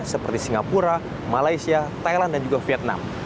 seperti singapura malaysia thailand dan juga vietnam